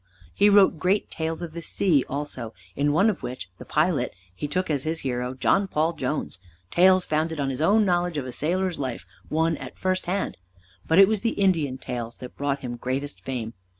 He wrote great tales of the sea also, in one of which, "The Pilot," he took as his hero John Paul Jones, tales founded on his own knowledge of a sailor's life won at first hand; but it was the Indian tales that brought him greatest fame.